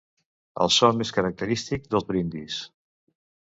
El so més característic dels brindis.